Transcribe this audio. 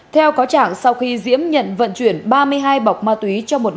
theo cáo trạng sau khi diễm nhận vận chuyển ba mươi hai bọc ma túy cho một người